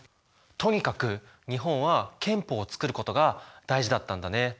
とにかく日本は憲法を作ることが大事だったんだね。